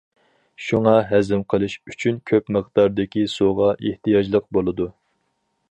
شۇڭا ھەزىم قىلىش ئۈچۈن كۆپ مىقداردىكى سۇغا ئېھتىياجلىق بولىدۇ.